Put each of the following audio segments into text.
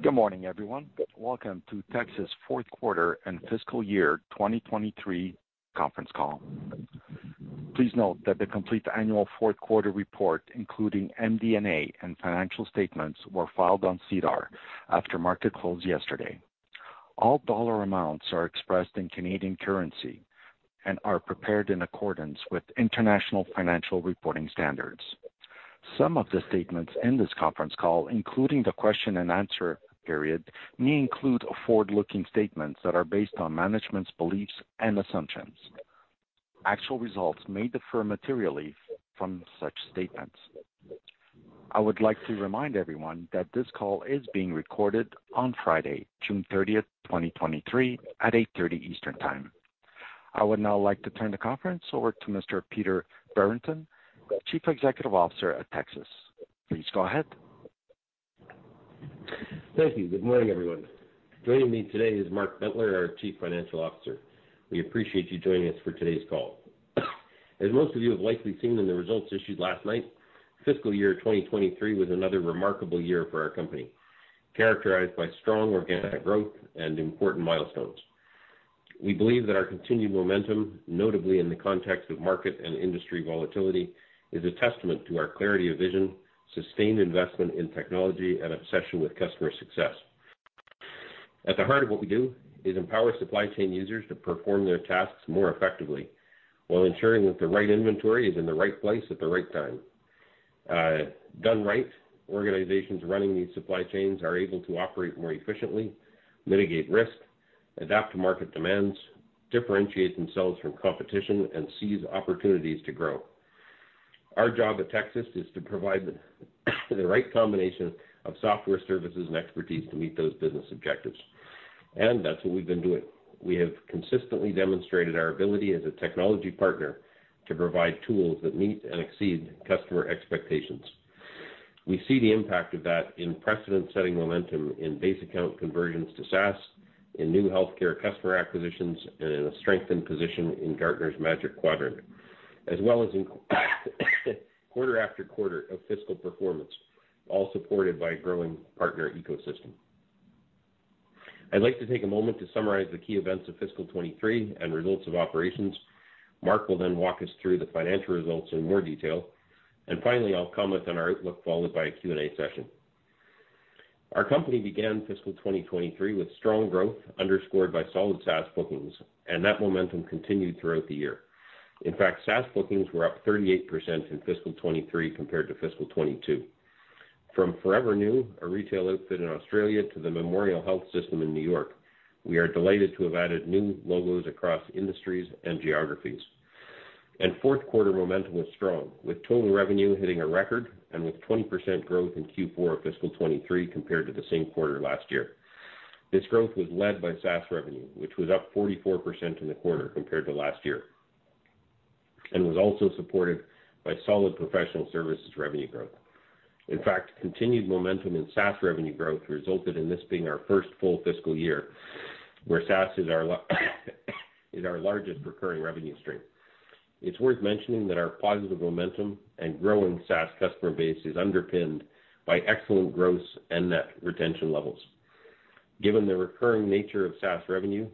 Good morning, everyone. Welcome to Tecsys' 4th quarter and fiscal year 2023 conference call. Please note that the complete annual 4th quarter report, including MD&A and financial statements, were filed on SEDAR after market close yesterday. All dollar amounts are expressed in Canadian currency and are prepared in accordance with International Financial Reporting Standards. Some of the statements in this conference call, including the question and answer period, may include forward-looking statements that are based on management's beliefs and assumptions. Actual results may differ materially from such statements. I would like to remind everyone that this call is being recorded on Friday, June 30th, 2023, at 8:30 A.M. Eastern Time. I would now like to turn the conference over to Mr. Peter Brereton, Chief Executive Officer at Tecsys. Please go ahead. Thank you. Good morning, everyone. Joining me today is Mark Bentler, our Chief Financial Officer. We appreciate you joining us for today's call. As most of you have likely seen in the results issued last night, fiscal year 2023 was another remarkable year for our company, characterized by strong organic growth and important milestones. We believe that our continued momentum, notably in the context of market and industry volatility, is a testament to our clarity of vision, sustained investment in technology, and obsession with customer success. At the heart of what we do is empower supply chain users to perform their tasks more effectively, while ensuring that the right inventory is in the right place at the right time. Done right, organizations running these supply chains are able to operate more efficiently, mitigate risk, adapt to market demands, differentiate themselves from competition, and seize opportunities to grow. Our job at Tecsys is to provide the right combination of software, services, and expertise to meet those business objectives, and that's what we've been doing. We have consistently demonstrated our ability as a technology partner to provide tools that meet and exceed customer expectations. We see the impact of that in precedent-setting momentum, in base account conversions to SaaS, in new healthcare customer acquisitions, and in a strengthened position in Gartner Magic Quadrant, as well as in quarter after quarter of fiscal performance, all supported by a growing partner ecosystem. I'd like to take a moment to summarize the key events of fiscal 23 and results of operations. Mark will then walk us through the financial results in more detail, finally, I'll comment on our outlook, followed by a Q&A session. Our company began fiscal 2023 with strong growth, underscored by solid SaaS bookings. That momentum continued throughout the year. In fact, SaaS bookings were up 38% in fiscal 23 compared to fiscal 22. From Forever New, a retail outfit in Australia, to the Memorial Health System in New York, we are delighted to have added new logos across industries and geographies. Q4 momentum was strong, with total revenue hitting a record and with 20% growth in Q4 of fiscal 23 compared to the same quarter last year. This growth was led by SaaS revenue, which was up 44% in the quarter compared to last year. Was also supported by solid professional services revenue growth. In fact, continued momentum in SaaS revenue growth resulted in this being our first full fiscal year, where SaaS is our largest recurring revenue stream. It's worth mentioning that our positive momentum and growing SaaS customer base is underpinned by excellent gross and net retention levels. Given the recurring nature of SaaS revenue,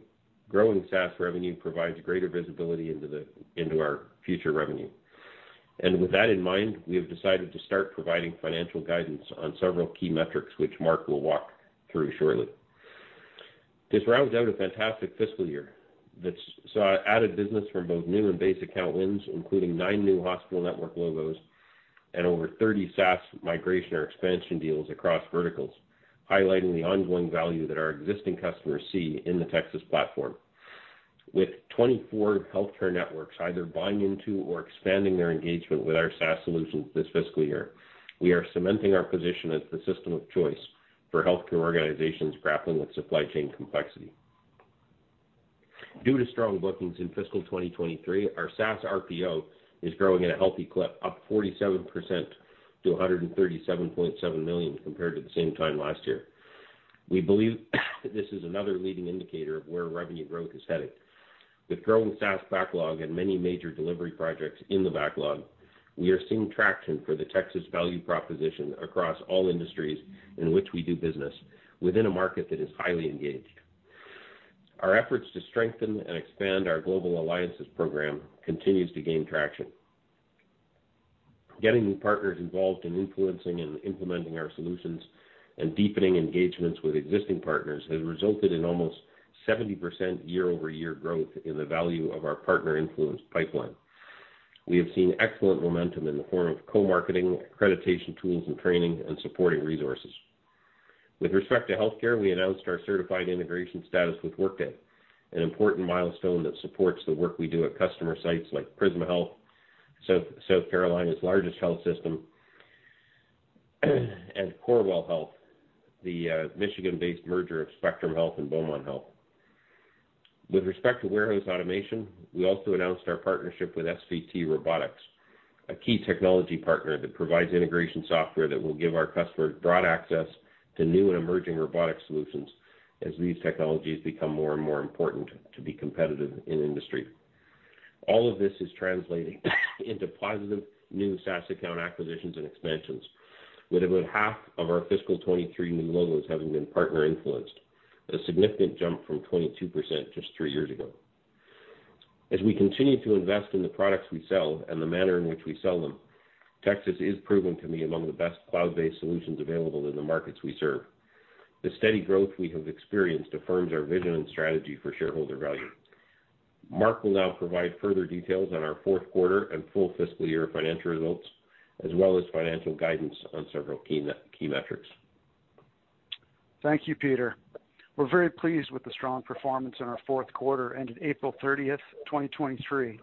growing SaaS revenue provides greater visibility into our future revenue. With that in mind, we have decided to start providing financial guidance on several key metrics, which Mark will walk through shortly. This rounds out a fantastic fiscal year that saw added business from both new and base account wins, including 9 new hospital network logos and over 30 SaaS migration or expansion deals across verticals, highlighting the ongoing value that our existing customers see in the Tecsys platform. With 24 healthcare networks either buying into or expanding their engagement with our SaaS solution this fiscal year, we are cementing our position as the system of choice for healthcare organizations grappling with supply chain complexity. Due to strong bookings in fiscal 2023, our SaaS RPO is growing at a healthy clip, up 47% to 137.7 million compared to the same time last year. We believe this is another leading indicator of where revenue growth is headed. With growing SaaS backlog and many major delivery projects in the backlog, we are seeing traction for the Tecsys value proposition across all industries in which we do business, within a market that is highly engaged. Our efforts to strengthen and expand our global alliances program continues to gain traction. Getting new partners involved in influencing and implementing our solutions and deepening engagements with existing partners has resulted in almost 70% year-over-year growth in the value of our partner influence pipeline. We have seen excellent momentum in the form of co-marketing, accreditation tools and training, and supporting resources. With respect to healthcare, we announced our certified integration status with Workday, an important milestone that supports the work we do at customer sites like Prisma Health, South Carolina's largest health system, and Corewell Health, the Michigan-based merger of Spectrum Health and Beaumont Health. With respect to warehouse automation, we also announced our partnership with SVT Robotics, a key technology partner that provides integration software that will give our customers broad access to new and emerging robotic solutions as these technologies become more and more important to be competitive in industry. All of this is translating into positive new SaaS account acquisitions and expansions, with about half of our fiscal 23 new logos having been partner influenced, a significant jump from 22% just 3 years ago. As we continue to invest in the products we sell and the manner in which we sell them, Tecsys is proven to be among the best cloud-based solutions available in the markets we serve. The steady growth we have experienced affirms our vision and strategy for shareholder value. Mark will now provide further details on our fourth quarter and full fiscal year financial results, as well as financial guidance on several key metrics. Thank you, Peter. We're very pleased with the strong performance in our fourth quarter, ended April 30th, 2023.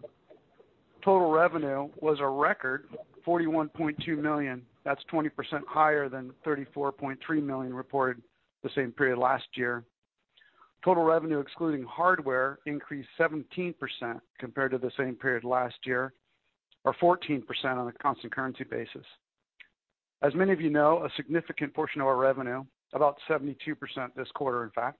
Total revenue was a record 41.2 million. That's 20% higher than 34.3 million reported the same period last year. Total revenue, excluding hardware, increased 17% compared to the same period last year, or 14% on a constant currency basis. As many of you know, a significant portion of our revenue, about 72% this quarter, in fact,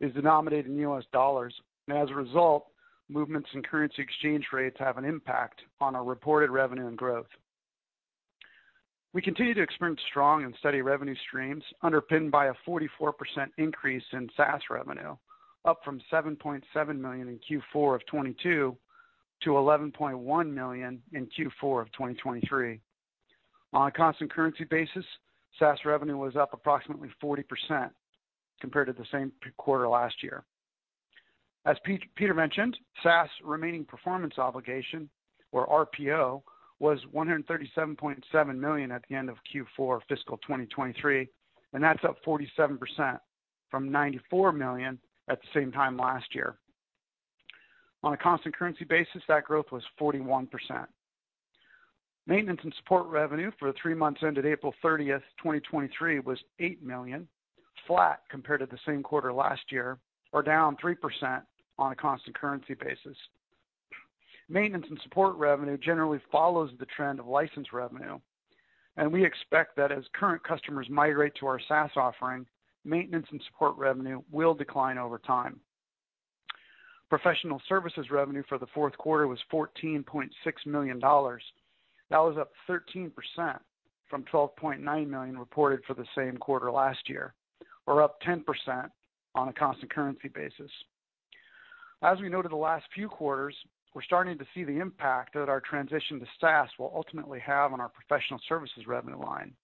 is denominated in U.S. dollars. As a result, movements in currency exchange rates have an impact on our reported revenue and growth. We continue to experience strong and steady revenue streams, underpinned by a 44% increase in SaaS revenue, up from 7.7 million in Q4 of 2022 to 11.1 million in Q4 of 2023. On a constant currency basis, SaaS revenue was up approximately 40% compared to the same quarter last year. As Peter mentioned, SaaS remaining performance obligation, or RPO, was 137.7 million at the end of Q4, fiscal 2023, and that's up 47% from 94 million at the same time last year. On a constant currency basis, that growth was 41%. Maintenance and support revenue for the three months ended April 30th, 2023, was 8 million, flat compared to the same quarter last year, or down 3% on a constant currency basis. Maintenance and support revenue generally follows the trend of license revenue. We expect that as current customers migrate to our SaaS offering, maintenance and support revenue will decline over time. Professional services revenue for the fourth quarter was 14.6 million dollars. That was up 13% from 12.9 million reported for the same quarter last year, or up 10% on a constant currency basis. As we noted the last few quarters, we're starting to see the impact that our transition to SaaS will ultimately have on our professional services revenue line.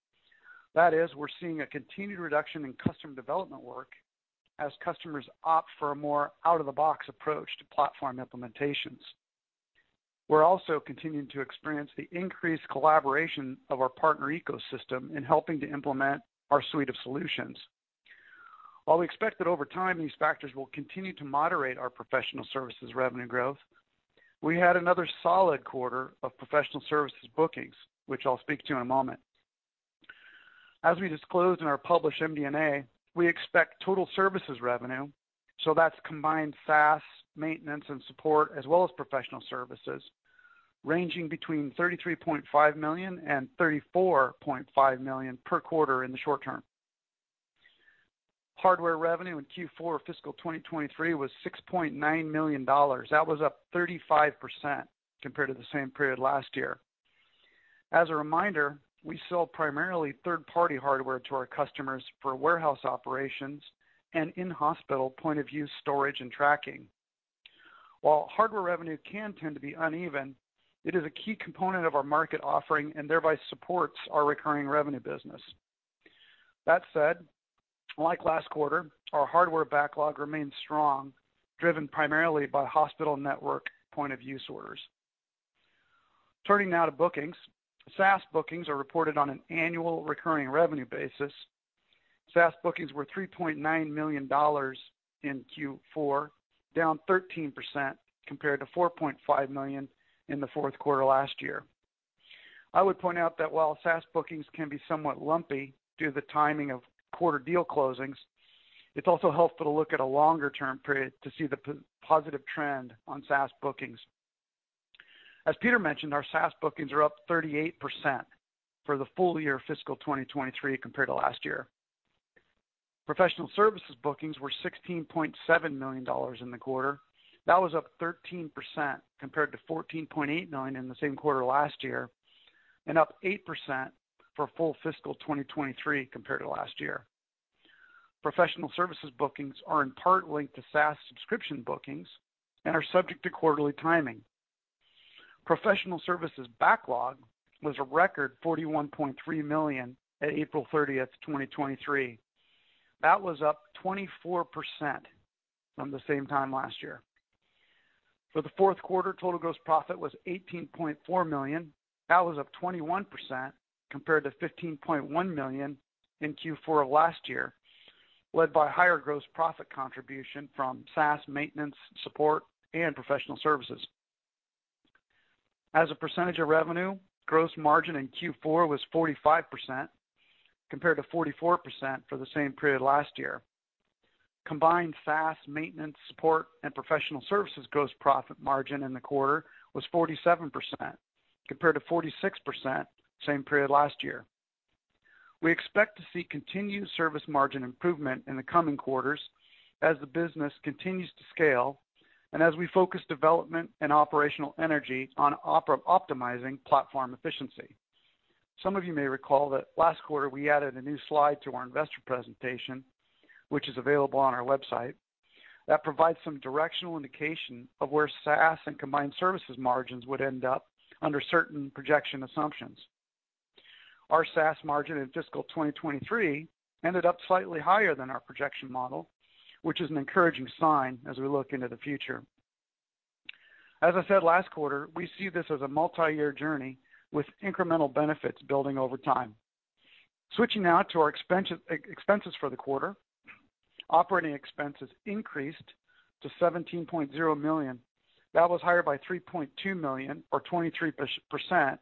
That is, we're seeing a continued reduction in customer development work as customers opt for a more out-of-the-box approach to platform implementations. We're also continuing to experience the increased collaboration of our partner ecosystem in helping to implement our suite of solutions. While we expect that over time, these factors will continue to moderate our professional services revenue growth, we had another solid quarter of professional services bookings, which I'll speak to in a moment. We disclosed in our published MD&A, we expect total services revenue, so that's combined SaaS, maintenance and support, as well as professional services, ranging between 33.5 million and 34.5 million per quarter in the short term. Hardware revenue in Q4, fiscal 2023, was 6.9 million dollars. That was up 35% compared to the same period last year. As a reminder, we sell primarily third-party hardware to our customers for warehouse operations and in-hospital point of use, storage, and tracking. While hardware revenue can tend to be uneven, it is a key component of our market offering and thereby supports our recurring revenue business. That said, like last quarter, our hardware backlog remains strong, driven primarily by hospital network point of use orders. Turning now to bookings. SaaS bookings are reported on an annual recurring revenue basis. SaaS bookings were 3.9 million dollars in Q4, down 13% compared to 4.5 million in the fourth quarter last year. I would point out that while SaaS bookings can be somewhat lumpy due to the timing of quarter deal closings, it's also helpful to look at a longer-term period to see the positive trend on SaaS bookings. As Peter mentioned, our SaaS bookings are up 38% for the full year fiscal 2023 compared to last year. Professional services bookings were 16.7 million dollars in the quarter. That was up 13% compared to 14.8 million in the same quarter last year, and up 8% for full fiscal 2023 compared to last year. Professional services bookings are in part linked to SaaS subscription bookings and are subject to quarterly timing. Professional services backlog was a record 41.3 million at April 30th, 2023. That was up 24% from the same time last year. The fourth quarter, total gross profit was 18.4 million. That was up 21% compared to 15.1 million in Q4 of last year, led by higher gross profit contribution from SaaS maintenance, support, and professional services. As a percentage of revenue, gross margin in Q4 was 45%, compared to 44% for the same period last year. Combined SaaS, maintenance, support, and professional services gross profit margin in the quarter was 47%, compared to 46% same period last year. We expect to see continued service margin improvement in the coming quarters as the business continues to scale and as we focus development and operational energy on optimizing platform efficiency. Some of you may recall that last quarter we added a new slide to our investor presentation, which is available on our website, that provides some directional indication of where SaaS and combined services margins would end up under certain projection assumptions. Our SaaS margin in fiscal 2023 ended up slightly higher than our projection model, which is an encouraging sign as we look into the future. As I said last quarter, we see this as a multi-year journey with incremental benefits building over time. Switching now to our expenses for the quarter. Operating expenses increased to 17.0 million. That was higher by 3.2 million or 23%,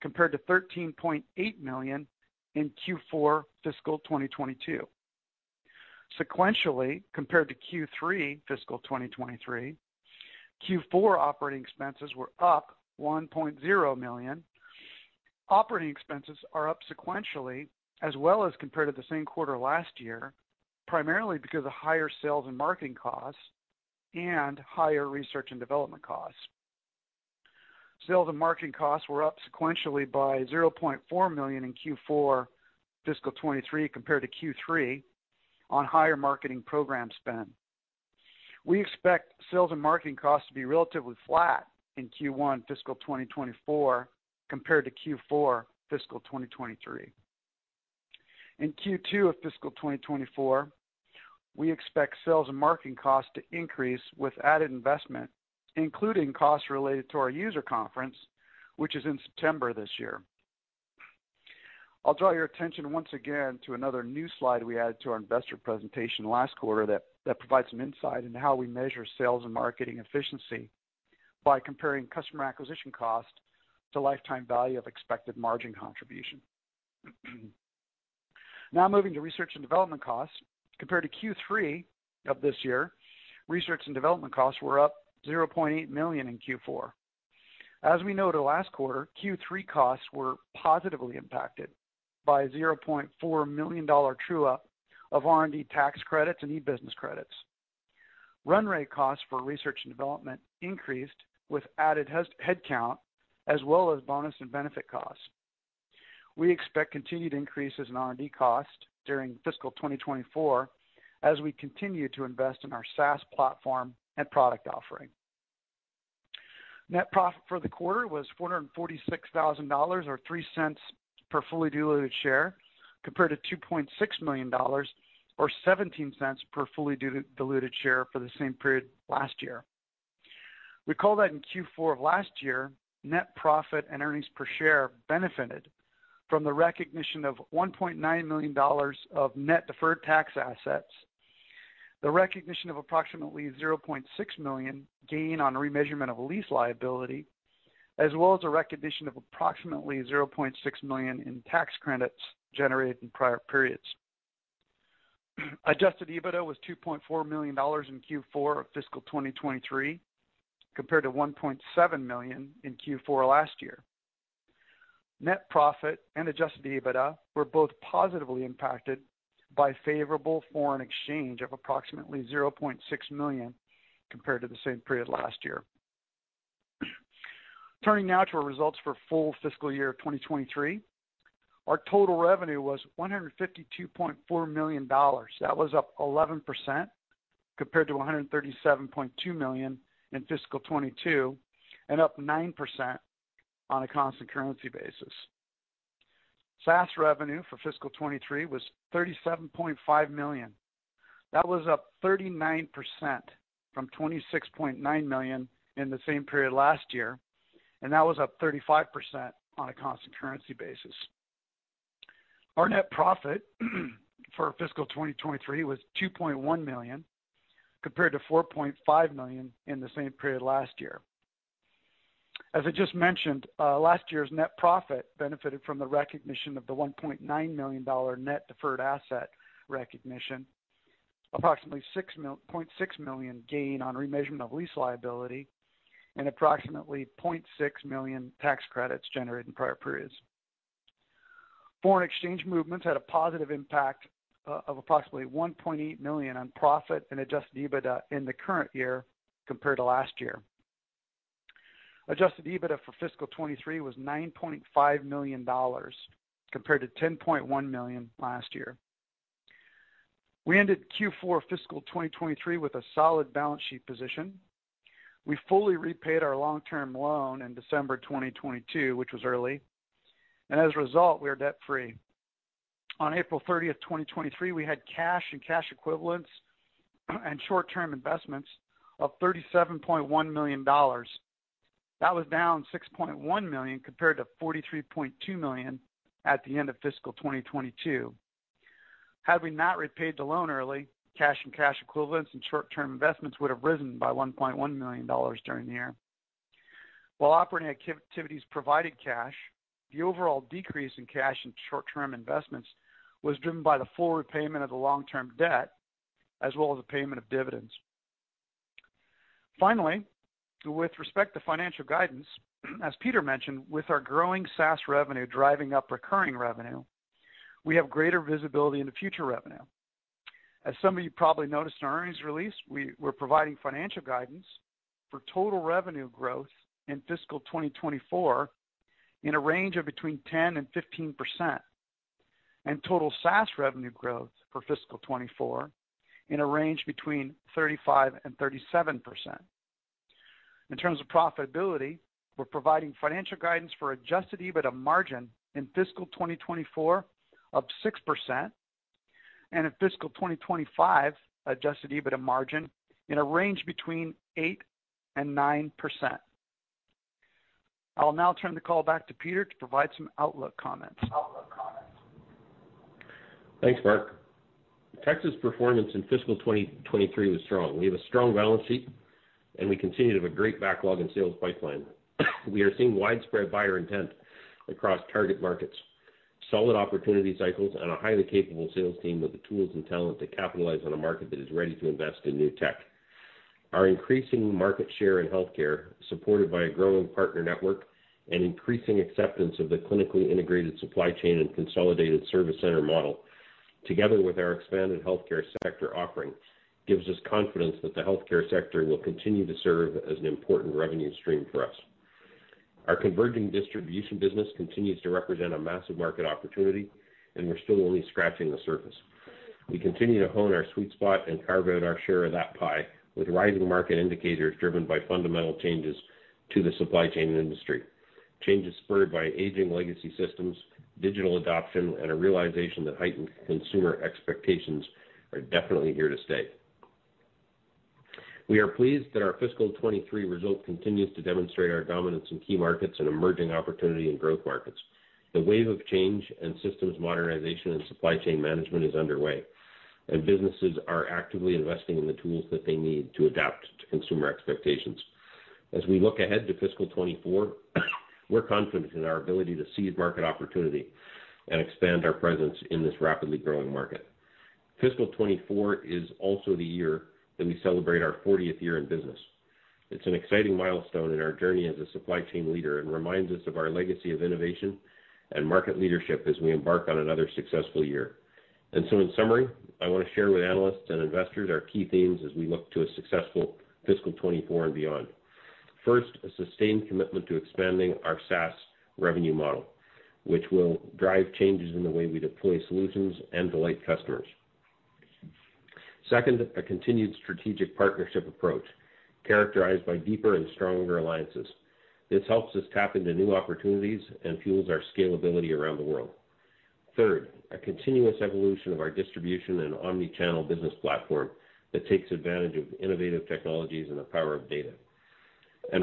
compared to 13.8 million in Q4 fiscal 2022. Sequentially, compared to Q3 fiscal 2023, Q4 operating expenses were up 1.0 million. Operating expenses are up sequentially, as well as compared to the same quarter last year, primarily because of higher sales and marketing costs and higher research and development costs. Sales and marketing costs were up sequentially by 0.4 million in Q4 fiscal 2023 compared to Q3, on higher marketing program spend. We expect sales and marketing costs to be relatively flat in Q1 fiscal 2024 compared to Q4 fiscal 2023. In Q2 of fiscal 2024, we expect sales and marketing costs to increase with added investment, including costs related to our user conference, which is in September this year. I'll draw your attention once again to another new slide we added to our investor presentation last quarter, that provides some insight into how we measure sales and marketing efficiency by comparing customer acquisition cost to lifetime value of expected margin contribution. Moving to research and development costs. Compared to Q3 of this year, research and development costs were up 0.8 million in Q4. As we noted last quarter, Q3 costs were positively impacted by a 0.4 million dollar true-up of R&D tax credits and e-business credits. Run rate costs for research and development increased with added headcount, as well as bonus and benefit costs. We expect continued increases in R&D costs during fiscal 2024, as we continue to invest in our SaaS platform and product offering. Net profit for the quarter was 446,000 dollars, or 0.03 per fully diluted share, compared to 2.6 million dollars, or 0.17 per fully diluted share for the same period last year. Recall that in Q4 of last year, net profit and earnings per share benefited from the recognition of 1.9 million dollars of net deferred tax assets, the recognition of approximately 0.6 million gain on remeasurement of lease liability, as well as a recognition of approximately 0.6 million in tax credits generated in prior periods. Adjusted EBITDA was 2.4 million dollars in Q4 of fiscal 2023, compared to 1.7 million in Q4 last year. Net profit and Adjusted EBITDA were both positively impacted by favorable foreign exchange of approximately 0.6 million compared to the same period last year. Turning now to our results for full fiscal year of 2023, our total revenue was 152.4 million dollars. That was up 11% compared to 137.2 million in fiscal 2022, and up 9% on a constant currency basis. SaaS revenue for fiscal 2023 was 37.5 million. That was up 39% from 26.9 million in the same period last year, and that was up 35% on a constant currency basis. Our net profit, for fiscal 2023 was 2.1 million, compared to 4.5 million in the same period last year. As I just mentioned, last year's net profit benefited from the recognition of the 1.9 million dollar net deferred asset recognition, approximately 0.6 million gain on remeasurement of lease liability, and approximately 0.6 million tax credits generated in prior periods. Foreign exchange movements had a positive impact of approximately 1.8 million on profit and Adjusted EBITDA in the current year compared to last year. Adjusted EBITDA for fiscal 2023 was 9.5 million dollars, compared to 10.1 million last year. We ended Q4 fiscal 2023 with a solid balance sheet position. We fully repaid our long-term loan in December 2022, which was early, and as a result, we are debt-free. On April 30, 2023, we had cash and cash equivalents and short-term investments of 37.1 million dollars. That was down 6.1 million, compared to 43.2 million at the end of fiscal 2022. Had we not repaid the loan early, cash and cash equivalents and short-term investments would have risen by 1.1 million dollars during the year. While operating activities provided cash, the overall decrease in cash and short-term investments was driven by the full repayment of the long-term debt, as well as the payment of dividends. Finally, with respect to financial guidance, as Peter mentioned, with our growing SaaS revenue driving up recurring revenue, we have greater visibility into future revenue. As some of you probably noticed in our earnings release, we're providing financial guidance for total revenue growth in fiscal 2024, in a range of between 10% and 15%, and total SaaS revenue growth for fiscal 2024, in a range between 35% and 37%. In terms of profitability, we're providing financial guidance for Adjusted EBITDA margin in fiscal 2024 of 6%, and in fiscal 2025, Adjusted EBITDA margin in a range between 8% and 9%. I'll now turn the call back to Peter to provide some outlook comments. Thanks, Mark. Tecsys performance in fiscal 2023 was strong. We have a strong balance sheet. We continue to have a great backlog and sales pipeline. We are seeing widespread buyer intent across target markets, solid opportunity cycles, and a highly capable sales team with the tools and talent to capitalize on a market that is ready to invest in new tech. Our increasing market share in healthcare, supported by a growing partner network and increasing acceptance of the clinically integrated supply chain and consolidated service center model, together with our expanded healthcare sector offering, gives us confidence that the healthcare sector will continue to serve as an important revenue stream for us. Our converging distribution business continues to represent a massive market opportunity. We're still only scratching the surface. We continue to hone our sweet spot and carve out our share of that pie, with rising market indicators driven by fundamental changes to the supply chain industry. Changes spurred by aging legacy systems, digital adoption, and a realization that heightened consumer expectations are definitely here to stay. We are pleased that our fiscal 2023 results continues to demonstrate our dominance in key markets and emerging opportunity in growth markets. The wave of change and systems modernization and supply chain management is underway, and businesses are actively investing in the tools that they need to adapt to consumer expectations. As we look ahead to fiscal 2024, we're confident in our ability to seize market opportunity and expand our presence in this rapidly growing market. Fiscal 2024 is also the year that we celebrate our 40th year in business. It's an exciting milestone in our journey as a supply chain leader and reminds us of our legacy of innovation and market leadership as we embark on another successful year. In summary, I want to share with analysts and investors our key themes as we look to a successful fiscal 2024 and beyond. First, a sustained commitment to expanding our SaaS revenue model, which will drive changes in the way we deploy solutions and delight customers. Second, a continued strategic partnership approach characterized by deeper and stronger alliances. This helps us tap into new opportunities and fuels our scalability around the world. Third, a continuous evolution of our distribution and omnichannel business platform that takes advantage of innovative technologies and the power of data.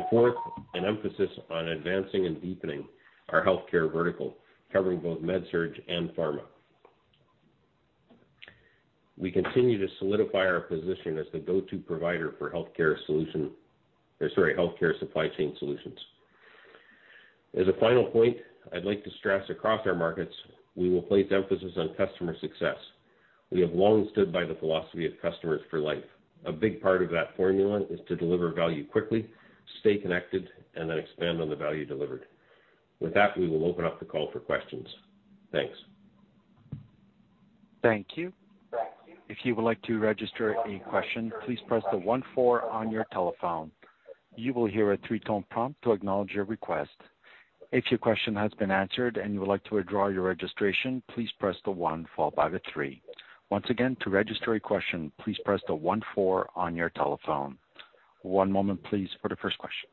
Fourth, an emphasis on advancing and deepening our healthcare vertical, covering both med surg and pharma. We continue to solidify our position as the go-to provider for healthcare solution, or sorry, healthcare supply chain solutions. As a final point, I'd like to stress across our markets, we will place emphasis on customer success. We have long stood by the philosophy of customers for life. A big part of that formula is to deliver value quickly, stay connected, and then expand on the value delivered. With that, we will open up the call for questions. Thanks. Thank you. If you would like to register a question, please press the one, four on your telephone. You will hear a 3-tone prompt to acknowledge your request. If your question has been answered and you would like to withdraw your registration, please press the one followed by the three. Once again, to register a question, please press the one four on your telephone. One moment please, for the first question.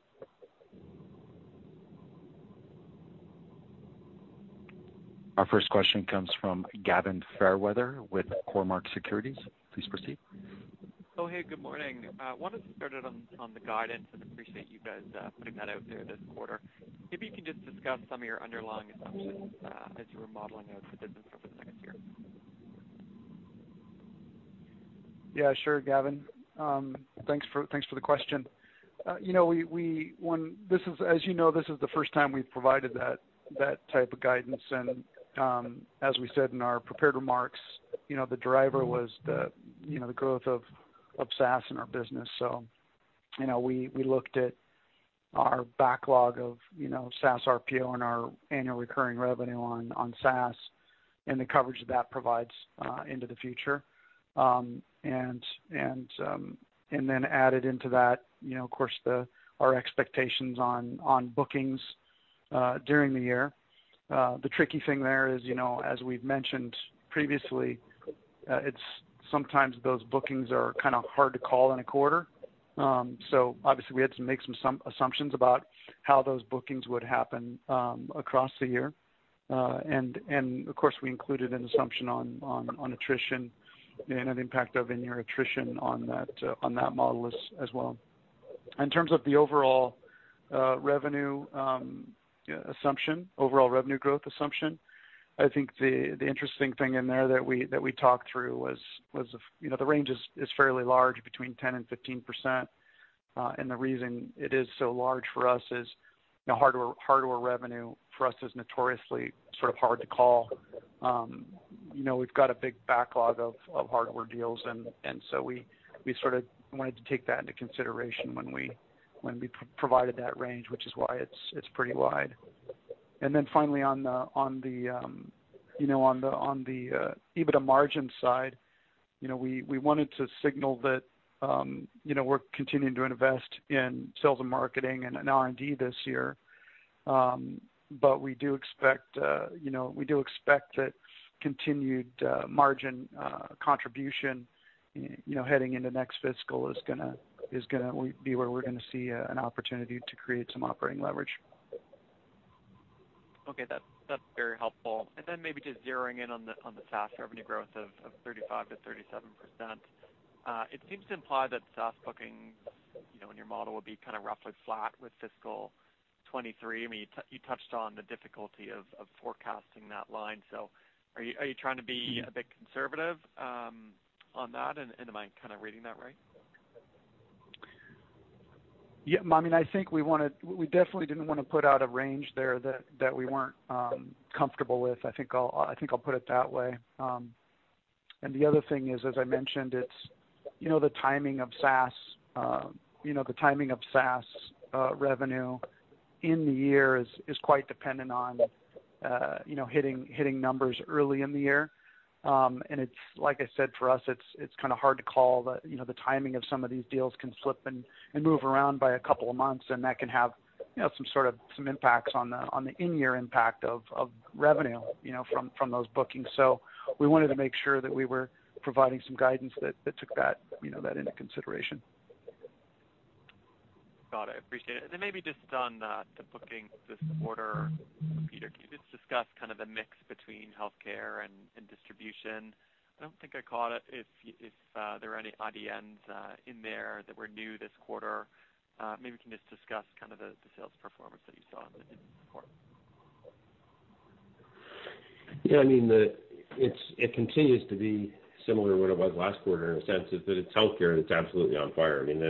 Our first question comes from Gavin Fairweather with Cormark Securities. Please proceed. Oh, hey, good morning. Wanted to start it on the guidance. Appreciate you guys, putting that out there this quarter. Maybe you can just discuss some of your underlying assumptions, as you were modeling out the business for the next year. Yeah, sure, Gavin. Thanks for the question. You know, we, this is, as you know, this is the first time we've provided that type of guidance. As we said in our prepared remarks, you know, the driver was the growth of SaaS in our business. You know, we looked at our backlog of, you know, SaaS RPO and our annual recurring revenue on SaaS and the coverage that provides into the future. Then added into that, you know, of course, our expectations on bookings during the year. The tricky thing there is, you know, as we've mentioned previously, it's sometimes those bookings are kind of hard to call in a quarter. Obviously, we had to make some assumptions about how those bookings would happen across the year. Of course, we included an assumption on attrition and an impact of in your attrition on that on that model as well. In terms of the overall revenue assumption, overall revenue growth assumption, I think the interesting thing in there that we talked through was, you know, the range is fairly large, between 10% and 15%. The reason it is so large for us. You know, hardware revenue for us is notoriously sort of hard to call. You know, we've got a big backlog of hardware deals, and so we sort of wanted to take that into consideration when we provided that range, which is why it's pretty wide. Finally, on the, you know, on the EBITDA margin side, you know, we wanted to signal that, you know, we're continuing to invest in sales and marketing and in R&D this year. We do expect, you know, that continued margin contribution, you know, heading into next fiscal is gonna be where we're gonna see an opportunity to create some operating leverage. Okay. That's, that's very helpful. Then maybe just zeroing in on the, on the SaaS revenue growth of 35%-37%. It seems to imply that SaaS bookings, you know, in your model would be kind of roughly flat with fiscal 2023. I mean, you touched on the difficulty of forecasting that line. Are you, are you trying to be a bit conservative, on that? Am I kind of reading that right? Yeah, I mean, I think we definitely didn't want to put out a range there that we weren't comfortable with. I think I'll put it that way. The other thing is, as I mentioned, it's, you know, the timing of SaaS, you know, the timing of SaaS revenue in the year is quite dependent on, you know, hitting numbers early in the year. It's like I said, for us, it's kind of hard to call. The, you know, the timing of some of these deals can slip and move around by a couple of months, and that can have, you know, some sort of, some impacts on the in-year impact of revenue, you know, from those bookings. We wanted to make sure that we were providing some guidance that took that, you know, that into consideration. Got it. Appreciate it. Maybe just on the bookings this quarter, Peter, can you just discuss kind of the mix between healthcare and distribution? I don't think I caught it, if there were any IDNs in there that were new this quarter. Maybe you can just discuss kind of the sales performance that you saw in the quarter. Yeah, I mean, it continues to be similar to what it was last quarter in a sense that it's healthcare, and it's absolutely on fire. I mean,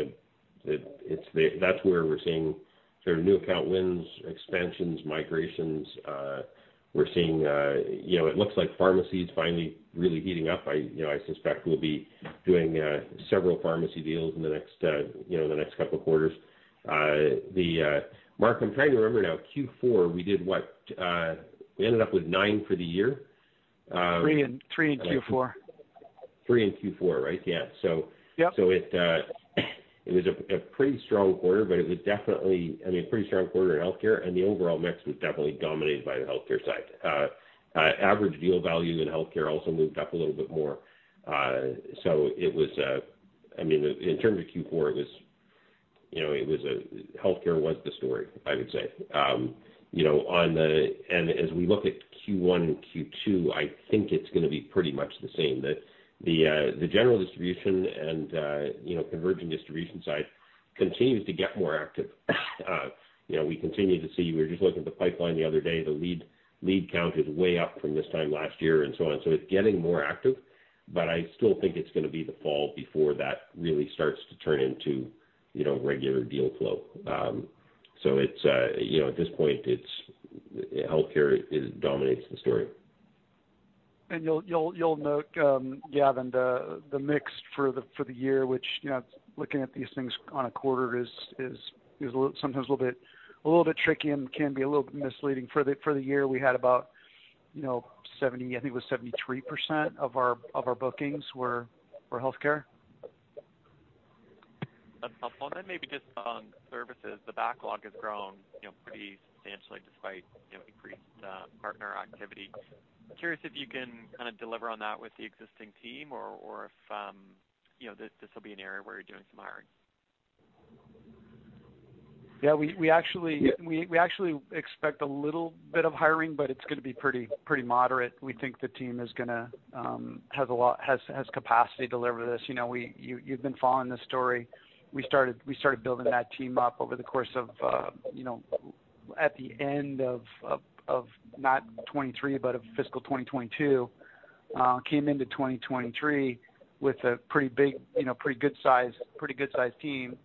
that's where we're seeing sort of new account wins, expansions, migrations. We're seeing, you know, it looks like pharmacy is finally really heating up. You know, I suspect we'll be doing several pharmacy deals in the next, you know, the next couple of quarters. Mark, I'm trying to remember now, Q4, we did what? We ended up with 9 for the year. Three in Q4. Three in Q4, right? Yeah. Yep. It was a pretty strong quarter, but it was definitely, I mean, a pretty strong quarter in healthcare, and the overall mix was definitely dominated by the healthcare side. Average deal value in healthcare also moved up a little bit more. So it was, I mean, in terms of Q4, it was, you know, it was healthcare was the story, I would say. You know, as we look at Q1 and Q2, I think it's gonna be pretty much the same. The general distribution and, you know, convergent distribution side continues to get more active. You know, we were just looking at the pipeline the other day, the lead count is way up from this time last year and so on. It's getting more active, but I still think it's gonna be the fall before that really starts to turn into, you know, regular deal flow. It's, you know, at this point, it's, healthcare is, dominates the story. You'll note, Gavin, the mix for the year, which, you know, looking at these things on a quarter is sometimes a little bit tricky and can be a little bit misleading. For the year, we had about, you know, 70, I think it was 73% of our bookings were healthcare. That's helpful. Then maybe just on services, the backlog has grown, you know, pretty substantially despite, you know, increased partner activity. I'm curious if you can kind of deliver on that with the existing team or if, you know, this will be an area where you're doing some hiring. Yeah, we actually expect a little bit of hiring, but it's gonna be pretty moderate. We think the team is gonna has capacity to deliver this. You know, you've been following this story. We started building that team up over the course of, you know, at the end of not 23, but of fiscal 2022. Came into 2023 with a pretty big, you know, pretty good sized team.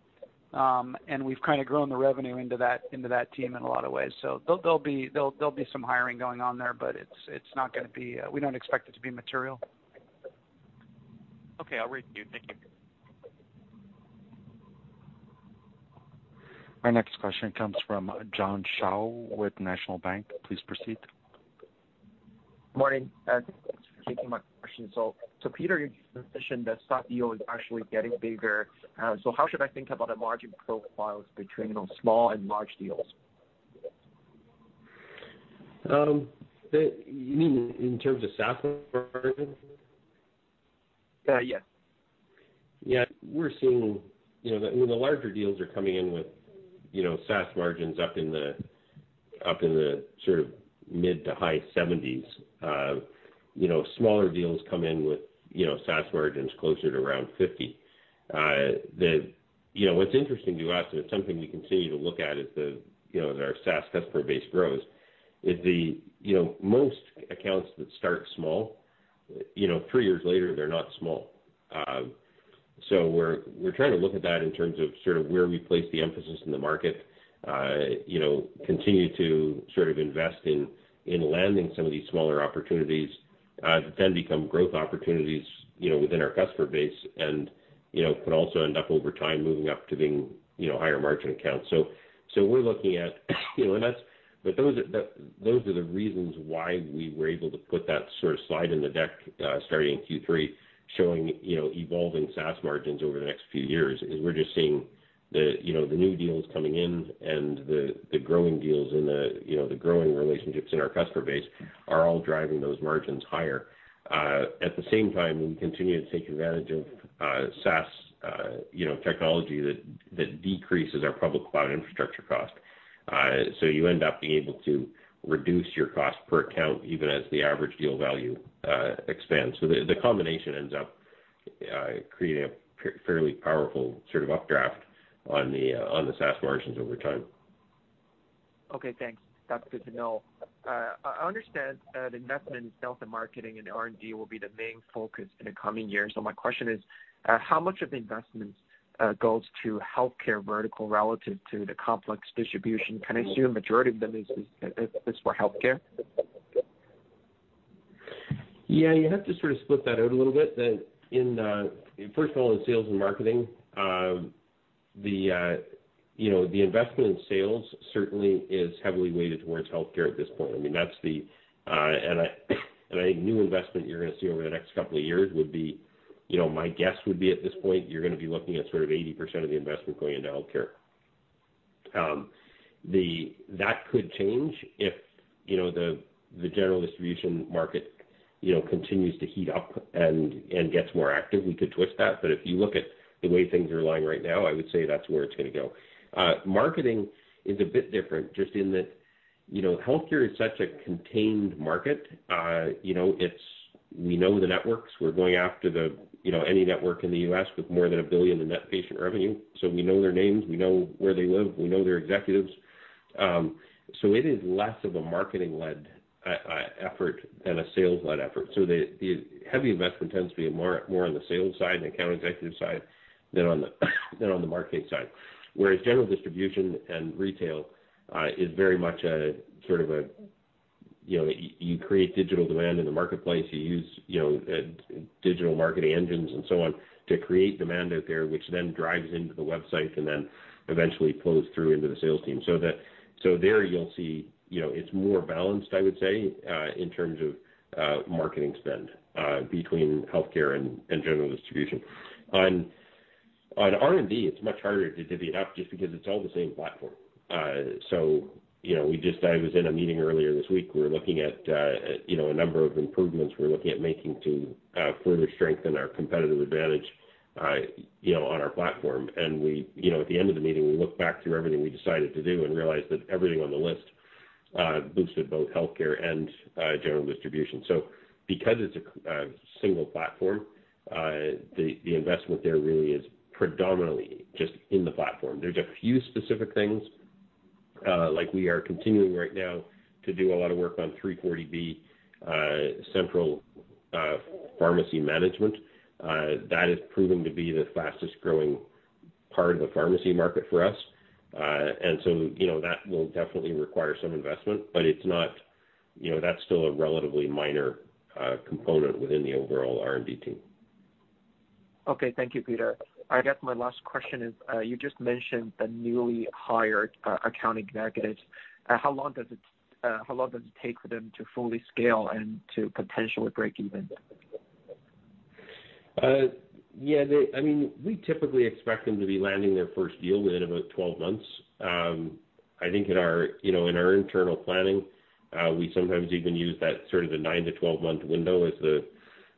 We've kind of grown the revenue into that team in a lot of ways. There'll be some hiring going on there, but it's not gonna be we don't expect it to be material. Okay, I'll read you. Thank you. Our next question comes from John Shao with National Bank. Please proceed. Morning, thank you for taking my question. Peter, you just mentioned that SaaS deal is actually getting bigger. How should I think about the margin profiles between, you know, small and large deals? You mean in terms of SaaS margins? Yeah. Yeah. We're seeing, you know, when the larger deals are coming in with, you know, SaaS margins up in the sort of mid to high 70s%. You know, smaller deals come in with, you know, SaaS margins closer to around 50%. You know, what's interesting to us, and it's something we continue to look at as the, you know, as our SaaS customer base grows, is the, you know, most accounts that start small, you know, 3 years later, they're not small. We're trying to look at that in terms of sort of where we place the emphasis in the market, you know, continue to sort of invest in landing some of these smaller opportunities, that then become growth opportunities, you know, within our customer base, and, you know, could also end up over time moving up to being, you know, higher margin accounts. We're looking at, you know, but those are the reasons why we were able to put that sort of slide in the deck, starting Q3, showing, you know, evolving SaaS margins over the next few years, is we're just seeing the new deals coming in and the growing deals and the growing relationships in our customer base are all driving those margins higher. At the same time, we continue to take advantage of, SaaS, you know, technology that decreases our public cloud infrastructure cost. You end up being able to reduce your cost per account, even as the average deal value, expands. The combination ends up, creating a fairly powerful sort of updraft on the SaaS margins over time. Okay, thanks. That's good to know. I understand that investment in sales and marketing and R&D will be the main focus in the coming years. My question is, how much of the investments goes to healthcare vertical relative to the complex distribution? Can I assume a majority of them is for healthcare? You have to sort of split that out a little bit, that in, first of all, in sales and marketing, the, you know, the investment in sales certainly is heavily weighted towards healthcare at this point. I mean, that's the, and I think new investment you're gonna see over the next couple of years would be, you know, my guess would be at this point, you're gonna be looking at sort of 80% of the investment going into healthcare. That could change if, you know, the general distribution market, you know, continues to heat up and gets more active, we could twist that. If you look at the way things are lying right now, I would say that's where it's gonna go. Marketing is a bit different, just in that, you know, healthcare is such a contained market. You know, we know the networks. We're going after the, you know, any network in the U.S. with more than 1 billion in net patient revenue. We know their names, we know where they live, we know their executives. It is less of a marketing-led effort than a sales-led effort. The heavy investment tends to be more on the sales side and account executive side than on the marketing side. Whereas general distribution and retail is very much a sort of a, you know, you create digital demand in the marketplace. You use, you know, digital marketing engines and so on, to create demand out there, which then drives into the websites and then eventually pulls through into the sales team. There you'll see, you know, it's more balanced, I would say, in terms of marketing spend, between healthcare and general distribution. On R&D, it's much harder to divvy it up just because it's all the same platform. You know, we just, I was in a meeting earlier this week. We were looking at, you know, a number of improvements we're looking at making to further strengthen our competitive advantage, you know, on our platform. We, you know, at the end of the meeting, we looked back through everything we decided to do and realized that everything on the list boosted both healthcare and general distribution. Because it's a single platform, the investment there really is predominantly just in the platform. There's a few specific things, like we are continuing right now to do a lot of work on 340B central pharmacy management. That is proving to be the fastest growing part of the pharmacy market for us. You know, that will definitely require some investment, but it's not, you know, that's still a relatively minor component within the overall R&D team. Okay, thank you, Peter. I guess my last question is, you just mentioned the newly hired account executives. How long does it take for them to fully scale and to potentially break even? I mean, we typically expect them to be landing their first deal within about 12 months. I think in our, you know, in our internal planning, we sometimes even use that sort of the 9 to 12-month window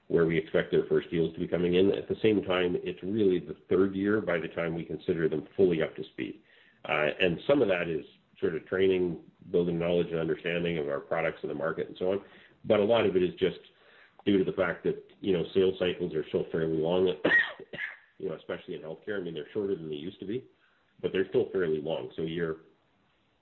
where we expect their first deals to be coming in. It's really the third year by the time we consider them fully up to speed. Some of that is sort of training, building knowledge and understanding of our products and the market and so on. A lot of it is just due to the fact that, you know, sales cycles are still fairly long, you know, especially in healthcare. I mean, they're shorter than they used to be, but they're still fairly long. You're,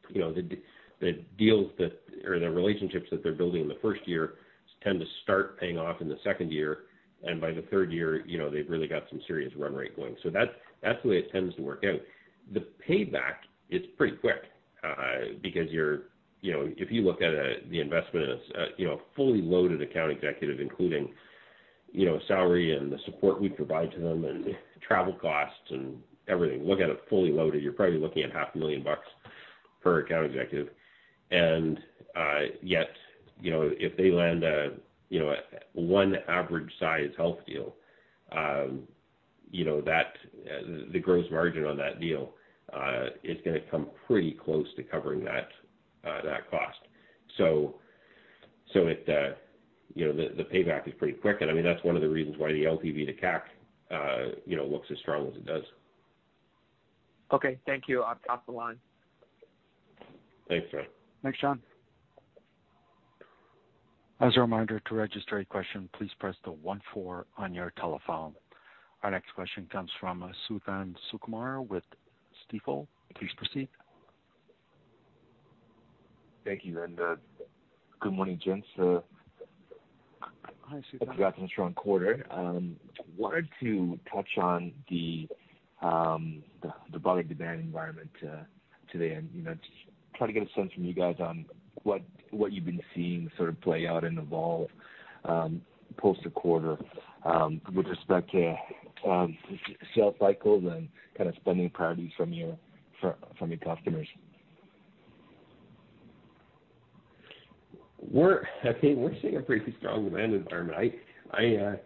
you know, the deals that, or the relationships that they're building in the first year tend to start paying off in the second year, and by the third year, you know, they've really got some serious run rate going. That's the way it tends to work out. The payback is pretty quick, because you're, you know, if you look at the investment as a, you know, a fully loaded account executive, including, you know, salary and the support we provide to them and travel costs and everything, look at it fully loaded, you're probably looking at half a million bucks per account executive. Yet, you know, if they land a, you know, one average size health deal, you know, that the gross margin on that deal, is gonna come pretty close to covering that cost. It, you know, the payback is pretty quick, and I mean, that's one of the reasons why the LTV to CAC, you know, looks as strong as it does. Okay. Thank you. I'll pass along. Thanks, John. Thanks, John. As a reminder, to register a question, please press the one four on your telephone. Our next question comes from Suthan Sukumar with Stifel. Please proceed. Thank you, and, good morning, gents. Hi, Suthan. Congratulations on a strong quarter. Wanted to touch on the product demand environment today, and, you know, just try to get a sense from you guys on what you've been seeing sort of play out and evolve post the quarter with respect to sales cycles and kind of spending priorities from your customers. We're, I mean, we're seeing a pretty strong demand environment. I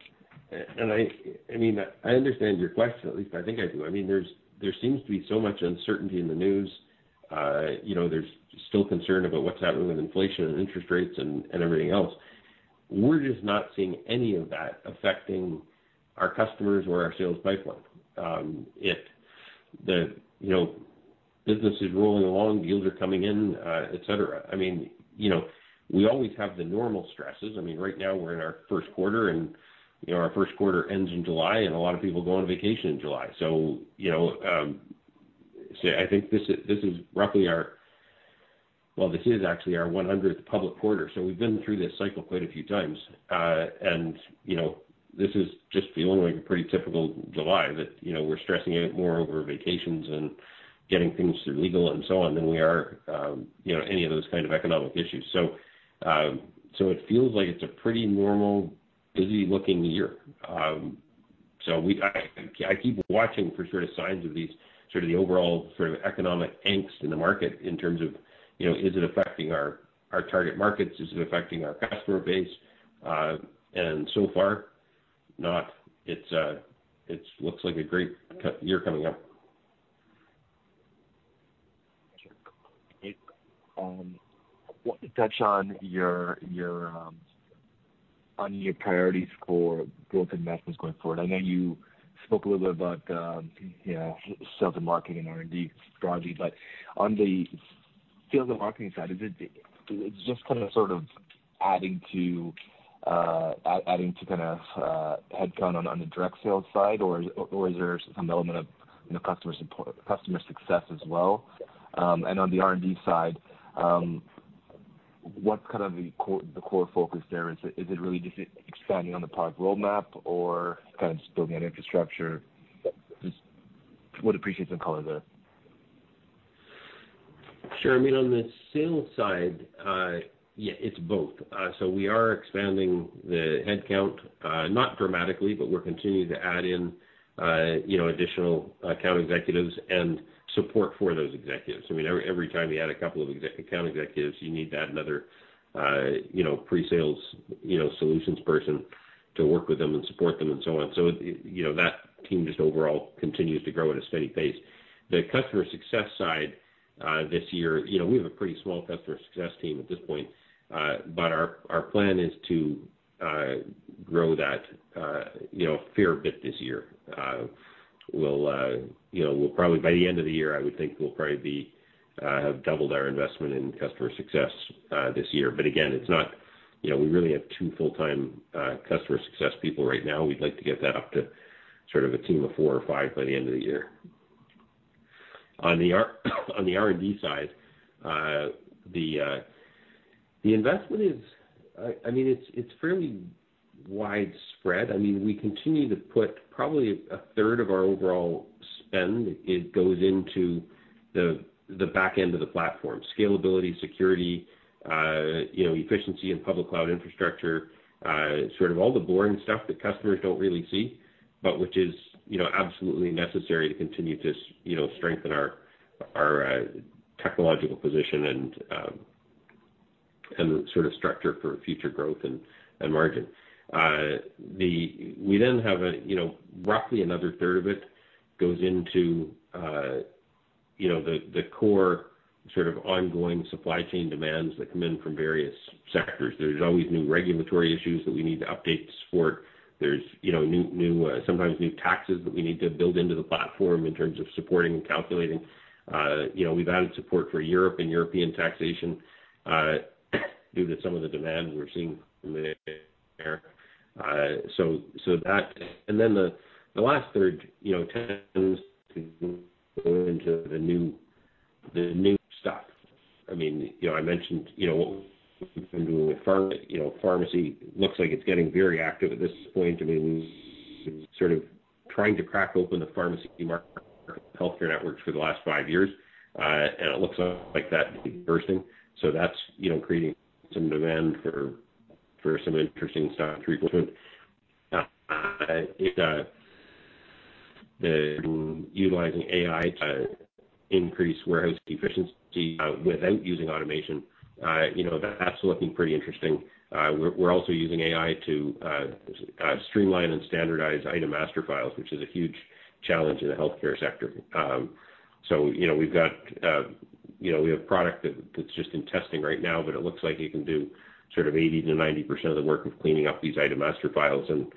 mean, I understand your question, at least I think I do. I mean, there's, there seems to be so much uncertainty in the news. You know, there's still concern about what's happening with inflation and interest rates and everything else. We're just not seeing any of that affecting our customers or our sales pipeline. If the, you know, business is rolling along, deals are coming in, et cetera. I mean, you know, we always have the normal stresses. I mean, right now, we're in our first quarter, and, you know, our first quarter ends in July, and a lot of people go on vacation in July. You know, so I think this is roughly our... Well, this is actually our 100th public quarter, so we've been through this cycle quite a few times. You know, this is just feeling like a pretty typical July that, you know, we're stressing out more over vacations and getting things through legal and so on than we are, you know, any of those kind of economic issues. It feels like it's a pretty normal, busy-looking year. I keep watching for sort of signs of these, sort of the overall sort of economic angst in the market in terms of, you know, is it affecting our target markets? Is it affecting our customer base? So far, not. It looks like a great year coming up. Wanted to touch on your on your priorities for growth investments going forward. I know you spoke a little bit about, you know, sales and marketing, R&D strategy, but on the sales and marketing side, is it just kind of, sort of adding to kind of headcount on the direct sales side, or is there some element of, you know, customer support, customer success as well? On the R&D side, what's kind of the core focus there? Is it really just expanding on the product roadmap or kind of just building out infrastructure? Just would appreciate some color there. Sure. I mean, on the sales side, yeah, it's both. We are expanding the headcount, not dramatically, but we're continuing to add in, you know, additional account executives and support for those executives. I mean, every time you add a couple of account executives, you need to add another, you know, pre-sales, you know, solutions person to work with them and support them and so on. It, you know, that team just overall continues to grow at a steady pace. The customer success side, this year, you know, we have a pretty small customer success team at this point, but our plan is to grow that, you know, fair bit this year. We'll, you know, we'll probably by the end of the year, I would think we'll probably be, have doubled our investment in customer success this year. Again, it's not. You know, we really have two full-time customer success people right now. We'd like to get that up to sort of a team of four or five by the end of the year. On the R&D side, the investment is, I mean, it's fairly widespread. I mean, we continue to put probably a third of our overall spend, it goes into the back end of the platform, scalability, security, you know, efficiency and public cloud infrastructure, sort of all the boring stuff that customers don't really see, but which is, you know, absolutely necessary to continue to strengthen our technological position and sort of structure for future growth and margin. We then have a, you know, roughly another third of it goes into, you know, the core sort of ongoing supply chain demands that come in from various sectors. There's always new regulatory issues that we need to update to support. There's, you know, new, sometimes new taxes that we need to build into the platform in terms of supporting and calculating. You know, we've added support for Europe and European taxation due to some of the demand we're seeing there. Then the last third, you know, tends to go into the new stock. I mean, you know, I mentioned what we've been doing with pharma, pharmacy looks like it's getting very active at this point. I mean, we've sort of trying to crack open the pharmacy market, healthcare networks for the last five years, and it looks like that is bursting. That's, you know, creating some demand for some interesting stock replacement. The utilizing AI to increase warehouse efficiency without using automation, you know, that's looking pretty interesting. We're also using AI to streamline and standardize item master files, which is a huge challenge in the healthcare sector. You know, we've got, you know, we have product that's just in testing right now, but it looks like it can do sort of 80%-90% of the work of cleaning up these item master files and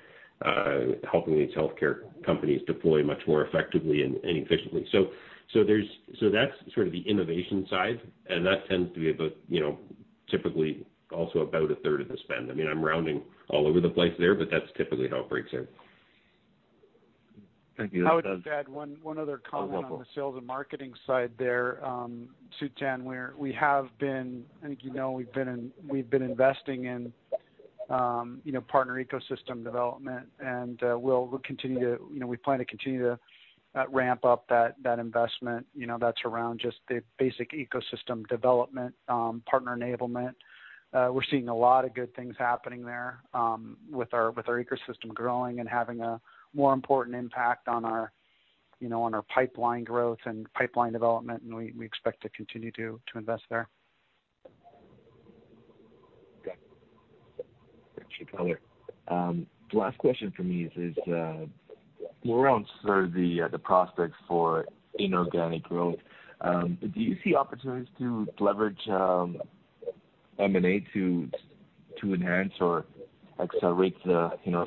helping these healthcare companies deploy much more effectively and efficiently. That's sort of the innovation side, and that tends to be about, you know, typically also about a third of the spend. I mean, I'm rounding all over the place there, but that's typically how it breaks out. I would just add one other comment on the sales and marketing side there, Suthan, where we have been, I think you know, we've been investing in, you know, partner ecosystem development, and we'll continue to, you know, we plan to continue to ramp up that investment, you know, that's around just the basic ecosystem development, partner enablement. We're seeing a lot of good things happening there, with our ecosystem growing and having a more important impact on our, you know, on our pipeline growth and pipeline development. We expect to continue to invest there. Got it. Thank you, Tyler. The last question for me is more on sort of the prospects for inorganic growth. Do you see opportunities to leverage M&A to enhance or accelerate the, you know,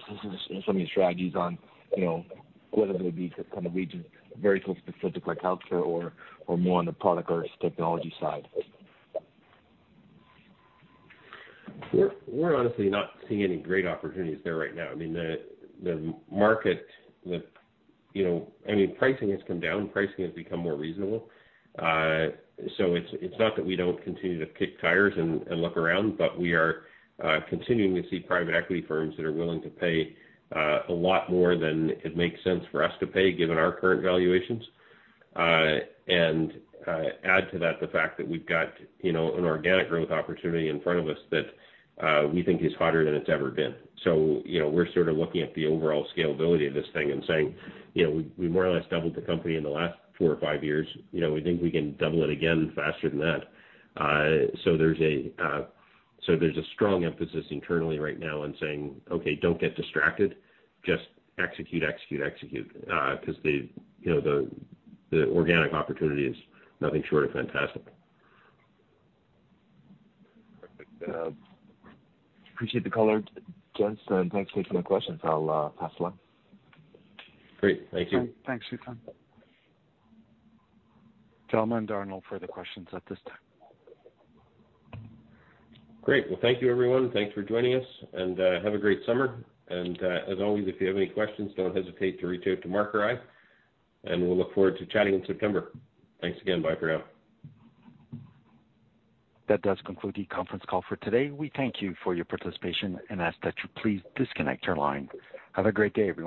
some of your strategies on, you know, whether they be kind of region very specific, like healthcare or more on the product or technology side? We're honestly not seeing any great opportunities there right now. I mean, the market, you know. I mean, pricing has come down, pricing has become more reasonable. It's not that we don't continue to kick tires and look around, but we are continuing to see private equity firms that are willing to pay a lot more than it makes sense for us to pay, given our current valuations. Add to that the fact that we've got, you know, an organic growth opportunity in front of us that we think is hotter than it's ever been. You know, we're sort of looking at the overall scalability of this thing and saying, you know, we more or less doubled the company in the last four or five years. You know, we think we can double it again faster than that. There's a strong emphasis internally right now on saying, "Okay, don't get distracted. Just execute, execute," 'cause the, you know, the organic opportunity is nothing short of fantastic. Perfect. Appreciate the color, gents, and thanks for taking my questions. I'll pass along. Great. Thank you. Thanks, Suthan. There are no, further questions at this time. Great. Well, thank you, everyone. Thanks for joining us. Have a great summer. As always, if you have any questions, don't hesitate to reach out to Mark or I, and we'll look forward to chatting in September. Thanks again. Bye for now. That does conclude the conference call for today. We thank you for your participation and ask that you please disconnect your line. Have a great day, everyone.